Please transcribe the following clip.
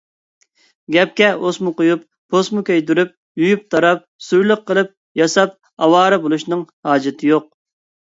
گەپكە ئوسما قويۇپ، پوسما كىيدۈرۈپ، يۇيۇپ - تاراپ، سۈرلۈك قىلىپ ياساپ ئاۋارە بولۇشنىڭ نېمە ھاجىتى؟